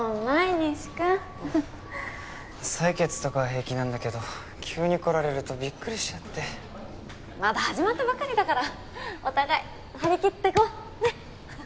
仁志君採血とかは平気なんだけど急にこられるとビックリしちゃってまだ始まったばかりだからお互い張り切ってこうねっ！